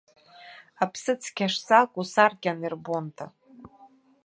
Аԥсыцқьа шсакәу саркьан ирбонда!